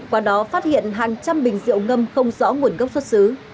qua đó phát hiện hàng trăm bình rượu ngâm không rõ nguồn gốc xuất xứ